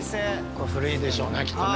古いでしょうねきっとね。